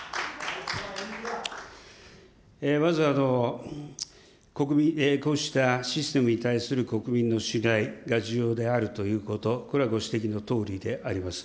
まず、こうしたシステムに対する国民の信頼が重要であるということ、これはご指摘のとおりであります。